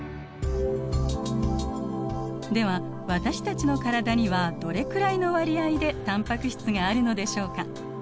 では私たちの体にはどれくらいの割合でタンパク質があるのでしょうか？